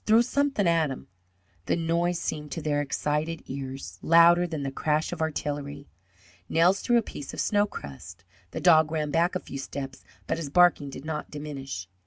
Throw somethin' at 'im!" The noise seemed to their excited ears louder than the crash of artillery. Nels threw a piece of snow crust. The dog ran back a few steps, but his barking did not diminish.